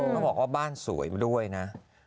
เขาบอกว่าบ้านสวยมาด้วยนะ